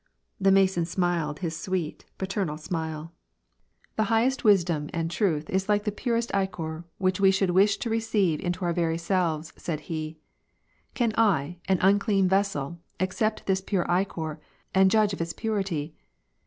The Mason smiled his sweet, paternal smile. WAR AND PEACE. 73 ^'The highest wisdom and truth is like the purest ichor, which we should wish to receive into our very selves," said he. '' Can I, an unclean vessel, accept this pure ichor and judge of its purity